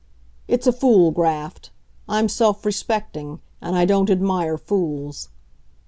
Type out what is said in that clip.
"It's a fool graft. I'm self respecting. And I don't admire fools."